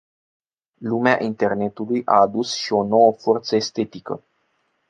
Lumea internetului a adus și o nouă forță estetică.